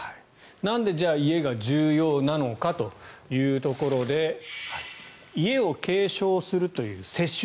なんで家が重要なのかというところで家を継承するという世襲